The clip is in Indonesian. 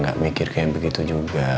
gak mikir kayak begitu juga